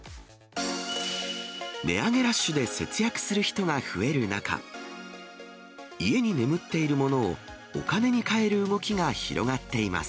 値上げラッシュで節約する人が増える中、家に眠っているものをお金に換える動きが広がっています。